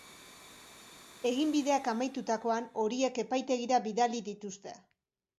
Eginbideak amaitutakoan, horiek epaitegira bidali dituzte.